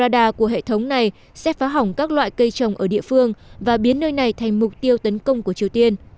bada của hệ thống này sẽ phá hỏng các loại cây trồng ở địa phương và biến nơi này thành mục tiêu tấn công của triều tiên